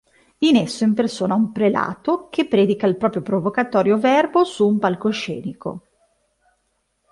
In esso impersona un prelato che predica il proprio provocatorio verbo su un palcoscenico.